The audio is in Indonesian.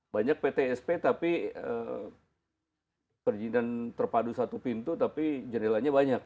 banyak ptsp tapi perizinan terpadu satu pintu tapi jendelanya banyak